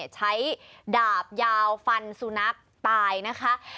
ใช้ดาบยาวฟันสุนัขตายนะคะ